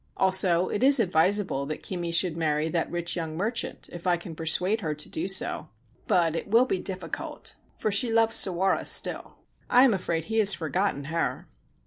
Also, it is advisable that Kimi should marry that rich young merchant, if I can persuade her to do so ; but it will be difficult, for she loves Sawara still. I am afraid he has forgotten her.